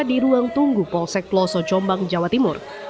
di ruang tunggu polsek peloso jombang jawa timur